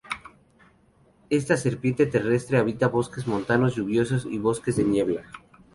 Esta serpiente terrestre habita bosques montanos lluviosos y bosques de niebla.